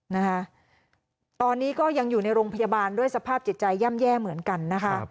นะคะตอนนี้ก็ยังอยู่ในโรงพยาบาลด้วยสภาพจิตใจย่ำแย่เหมือนกันนะคะ